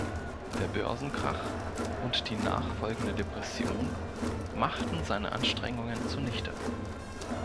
Der Börsenkrach und die nachfolgende Depression machten seine Anstrengungen zunichte.